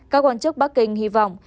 các quan chức bắc kinh hy vọng